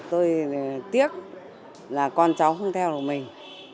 tôi tiếc là con cháu không theo được mình